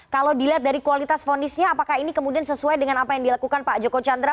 kalau dilihat dari kualitas fonisnya apakah ini kemudian sesuai dengan apa yang dilakukan pak joko chandra